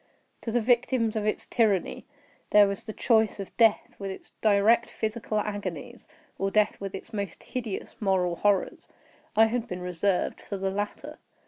To the victims of its tyranny, there was the choice of death with its direst physical agonies, or death with its most hideous moral horrors. I had been reserved for the latter.